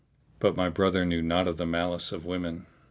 But my brother knew naught of the malice of women.